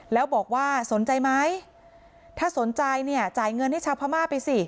แล้วบอกว่าสนใจไหมถ้าสนใจเนี่ยจ่ายเงินให้ชาวพม่าไปสิ